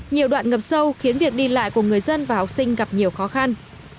nhiều đoạn ngập sâu khiến việc đi lại của người dân và học sinh gặp nhiều khó khăn